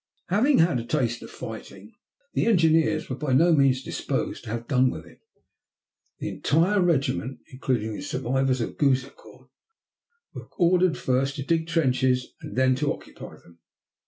Having had a taste of fighting, the engineers were by no means disposed to have done with it. The entire regiment, including the survivors of Gouzeaucourt, were ordered first to dig trenches and then to occupy them.